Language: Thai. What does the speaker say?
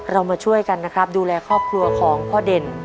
มาช่วยกันนะครับดูแลครอบครัวของพ่อเด่น